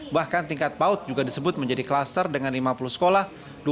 bahkan tingkat paut juga disebut menjadi kluster dengan lima puluh sekolah